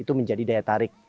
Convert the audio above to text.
itu menjadi daya tarik